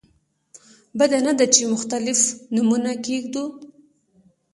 بده نه ده چې مختلف نومونه کېږدو.